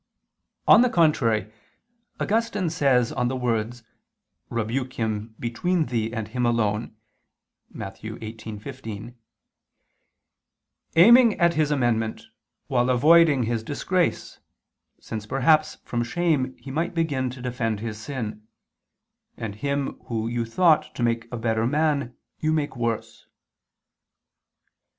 On the contrary, Augustine says (De Verb. Dom. xvi, 4) on the words, "Rebuke him between thee and him alone" (Matt. 18:15): "Aiming at his amendment, while avoiding his disgrace: since perhaps from shame he might begin to defend his sin; and him whom you thought to make a better man, you make worse."